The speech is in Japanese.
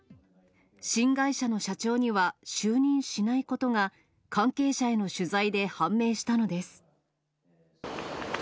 新会社の社長には就任しないことが関係者への取材で判明したのです。